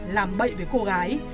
làm bậy với cô gái